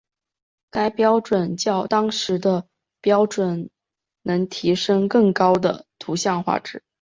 该标准较当时的标准能提升更高的图像画质。